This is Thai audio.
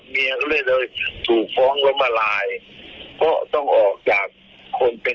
เพิ่งหมดเวลาล้มมารายก็เข้ามาเป็นอาจารย์เหมือนเดิม